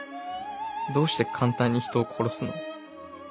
どうして簡単に人を殺すの？